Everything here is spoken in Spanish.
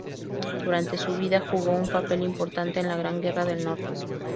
Durante su vida jugó un papel importante en la Gran Guerra del Norte.